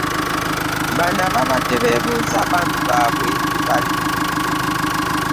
Ban ababadde beebuuza abantu baabwe gye bali